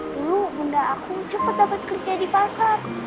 dulu bunda aku cepat dapat kerja di pasar